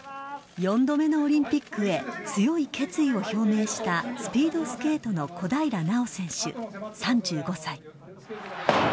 ４度目のオリンピックへ、強い決意を表明したスピードスケートの小平奈緒選手３５歳。